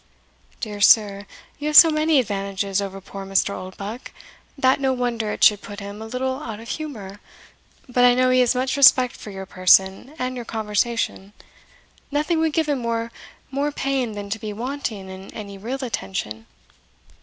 "Dear sir, you have so many advantages over poor Mr. Oldbuck, that no wonder it should put him a little out of humour; but I know he has much respect for your person and your conversation; nothing would give him more pain than to be wanting in any real attention."